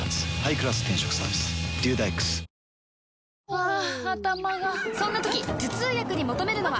ハァ頭がそんな時頭痛薬に求めるのは？